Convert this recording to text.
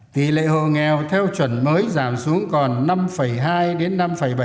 tỷ lệ hồ nghèo theo chuẩn mới giảm xuống còn năm hai đến năm bảy